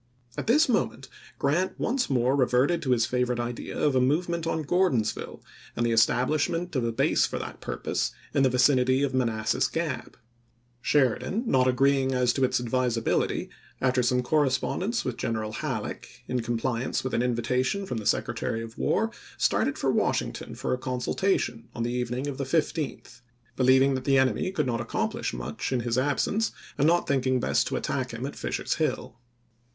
At this moment Grant once more reverted to his favorite idea of a movement on Gordonsville and of the establishment of a base for that purpose in the vicinity of Manassas Gap ; Sheridan, Sheridan, not agreeing as to its advisability, after orations some correspondence with General Halleck, in Aug!vi864, compliance with an invitation from the Secretary to Feb 27 ^. 1865*. ' of War started for Washington for a consultation on the evening of the 15th; believing that the enemy could not accomplish much in his absence CEDAK CKEEK 315 and not thinking best to attack him at Fisher's chap.xiv. Hill.